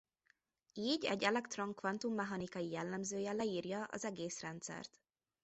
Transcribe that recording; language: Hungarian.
Így egy elektron kvantummechanikai jellemzője leírja az egész rendszert.